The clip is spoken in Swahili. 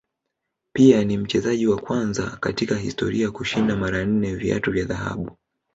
pia ni mchezaji wa kwanza katika historia kushinda mara nne viatu vya dhahabu